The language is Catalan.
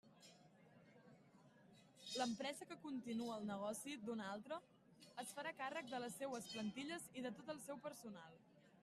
L'empresa que continue el negoci d'una altra, es farà càrrec de les seues plantilles i de tot el seu personal.